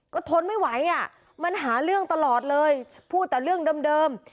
ก็ทนไม่ไหวอ่ะมันหาเรื่องตลอดเลยพูดแต่เรื่องเดิม